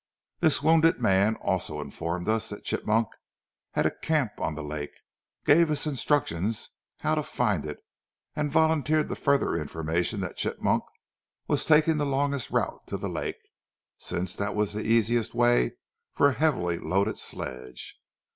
This wounded man also informed us that Chigmok had a camp on the lake, gave us instructions how to find it; and volunteered the further information that Chigmok was taking the longest route to the lake, since that was the easier way for a heavily loaded sledge.